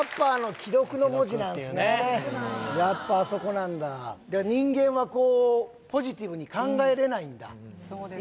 既読っていうねやっぱあそこなんだ人間はこうポジティブに考えれないんだそうですね